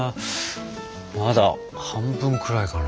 まだ半分くらいかな？